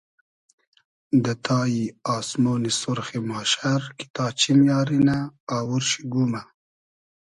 دۂ تای آسمۉنی سورخی ماشئر کی تا چیم یاری نۂ آوور شی گومۂ